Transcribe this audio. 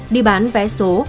đi bán vé số